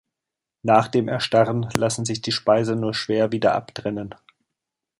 Nach dem Erstarren lassen sich die Speiser nur schwer wieder abtrennen.